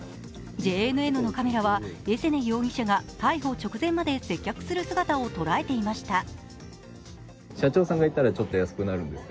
ＪＮＮのカメラは、エセネ容疑者が逮捕直前まで接客する姿を捉えていました。